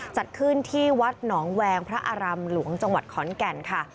จัดขึ้นที่วัดหนองแวงพระอารามหลวงจังหวัดขอนแก่นค่ะ